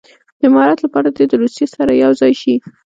د امارت لپاره دې د روسیې سره یو ځای شي.